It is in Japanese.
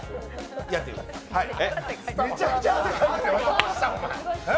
めちゃくちゃ汗かいてるよ。